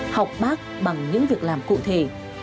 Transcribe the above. học bác bằng những việc làm cụ thể